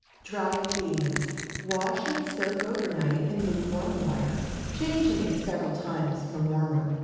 DRIED BEANS. Wash and soak over night in lukewarm water, changing it several times for warmer.